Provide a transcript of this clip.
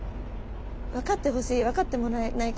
分かってほしい分かってもらえない